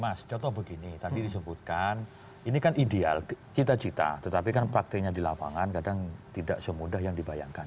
mas contoh begini tadi disebutkan ini kan ideal cita cita tetapi kan prakteknya di lapangan kadang tidak semudah yang dibayangkan